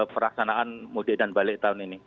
peraksanaan mudik dan balik tahun ini